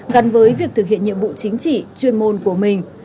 gắn với việc thực hiện nhiệm vụ chính trị chuyên môn của mình